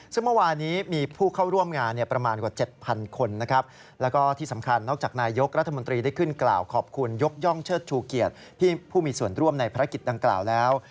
ซึ่งเมื่อวานี้มีผู้เข้าร่วมงานประมาณกว่า๗๐๐คนนะครับแล้วก็ที่สำคัญนอกจากนายยกรัฐมนตรีได้ขึ้นกล่าวขอบคุณยกย่องเชิดชูเกียรติผู้มีส่วนร่วมในภารกิจดังกล่าวแล้ว